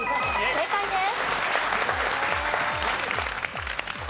正解です。